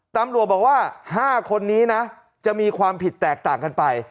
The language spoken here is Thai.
ตำรวจบอกว่า๕คนนี้นะจะมีความผิดแตกต่างกันไป